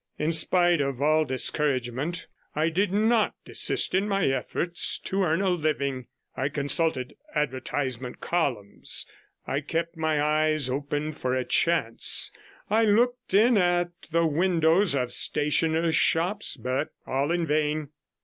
In spite of all discouragement I did not desist in my efforts to earn a living. I consulted advertisement columns, I kept my eyes open for a chance, I looked in at the windows of stationers' shops, but all in vain.